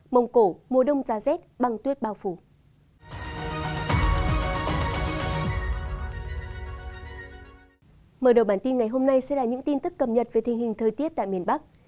mở đầu bản tin ngày hôm nay sẽ là những tin tức cầm nhật về tình hình thời tiết tại miền bắc